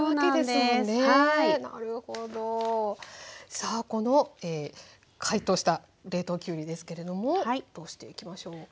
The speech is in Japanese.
さあこの解凍した冷凍きゅうりですけれどもどうしていきましょうか？